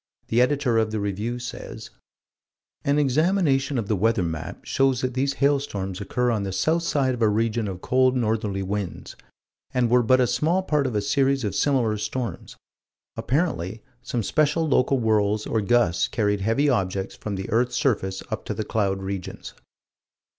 The Editor of the Review says: "An examination of the weather map shows that these hailstorms occur on the south side of a region of cold northerly winds, and were but a small part of a series of similar storms; apparently some special local whirls or gusts carried heavy objects from this earth's surface up to the cloud regions."